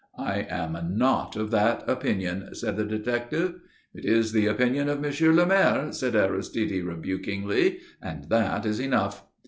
"I am not of that opinion," said the detective. "It is the opinion of Monsieur le Maire," said Aristide rebukingly, "and that is enough."